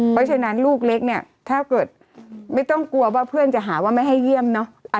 เพราะฉะนั้นลูกเล็กเนี่ยถ้าเกิดไม่ต้องกลัวว่าเพื่อนจะหาว่าไม่ให้เยี่ยมเนอะ